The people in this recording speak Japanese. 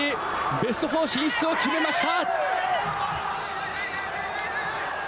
ベスト４進出を決めました！